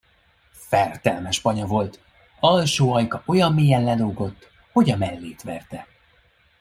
Fertelmes banya volt, alsó ajka olyan mélyen lelógott, hogy a mellét verte.